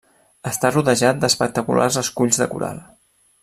Està rodejat d'espectaculars esculls de coral.